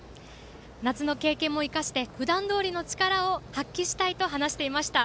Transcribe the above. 夏の経験も生かして普段どおりの力を発揮したいと話していました。